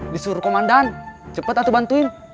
disuruh komandan cepet atuh bantuin